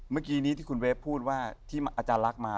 เมื่อกี้นี้ที่คุณเวฟพูดว่าที่อลับมา